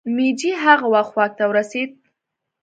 مېجي هغه وخت واک ته ورسېد.